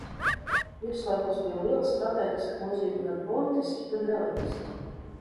Viduslaikos bija liela stratēģiska nozīme gan politiski, gan reliģiski.